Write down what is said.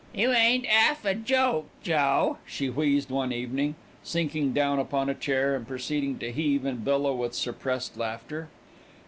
"You ain't 'alf a joke, Joe," she wheezed one evening, sinking down upon a chair and proceeding to heave and billow with suppressed laughter.